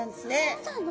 そうなの？